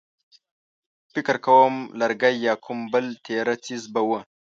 فکر کوم لرګی يا کوم بل تېره څيز به و.